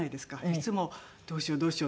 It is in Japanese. いつも「どうしようどうしよう。